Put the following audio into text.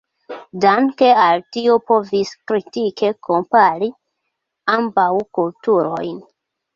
Danke al tio povis kritike kompari ambaŭ kulturojn.